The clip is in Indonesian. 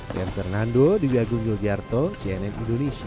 dan fernando di wg jarto cnn indonesia